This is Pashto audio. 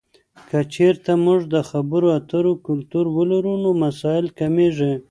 که چیرته موږ د خبرو اترو کلتور ولرو، نو مسایل کمېږي.